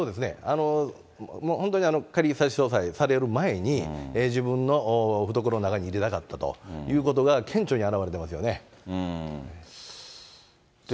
本当に仮差し押さえされる前に、自分の懐の中に入れたかったということが顕著に表れてますよね。